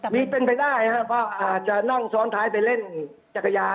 มีเป็นไปได้ครับก็อาจจะนั่งซ้อนท้ายไปเล่นจักรยาน